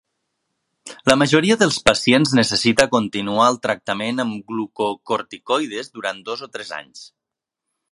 La majoria dels pacients necessita continuar el tractament amb glucocorticoides durant dos o tres anys.